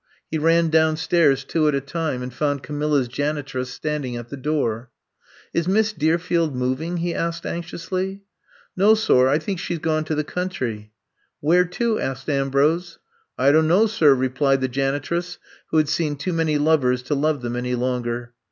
He ran downstairs two at a time and found Ca milla's janitress standing at the door. Is Miss Deerfield moving!'' he asked anxiously. ^*' No, sor ; I think she 's gone to the country. ''Where to f " asked Ambrose. I don't know, sor," replied the jani tress, who had seen too many lovers to love them any longer.